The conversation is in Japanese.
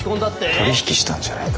取り引きしたんじゃないか？